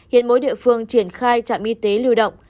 hiện mỗi địa phương triển khai trạm y tế lưu động